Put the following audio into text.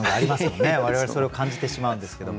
我々それを感じてしまうんですけども。